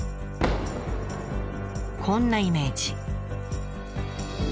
こんなイメージ。